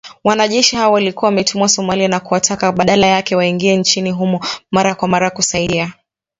wanajeshi hawa walikuwa wametumwa Somalia na kuwataka badala yake waingie nchini humo mara kwa mara kusaidia.